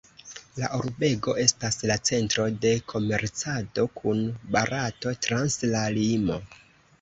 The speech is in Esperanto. La urbego estas la centro de komercado kun Barato trans la limo.